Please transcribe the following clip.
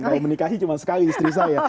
kalau menikahi cuma sekali istri saya